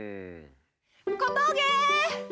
小峠！